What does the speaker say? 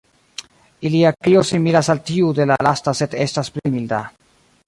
Ilia krio similas al tiu de la lasta sed estas pli milda.